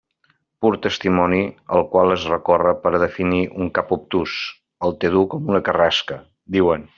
Pur testimoni al qual es recorre per a definir un cap obtús: «el té dur com una carrasca», diuen.